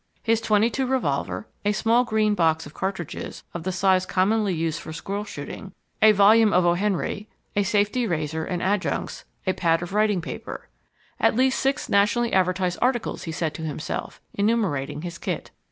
his .22 revolver, a small green box of cartridges of the size commonly used for squirrel shooting, a volume of O. Henry, a safety razor and adjuncts, a pad of writing paper. ... At least six nationally advertised articles, he said to himself, enumerating his kit.